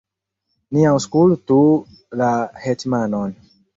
ni aŭskultu la hetmanon!